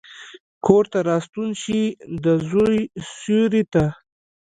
کورته راستون شي، دزوی سیورې ته،